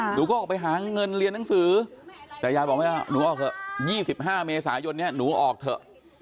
หนูก็ออกไปหาเงินเรียนหนังสือแต่ยายบอกไม่เอาหนูออกเถอะ๒๕เมษายนนี้หนูออกเถอะ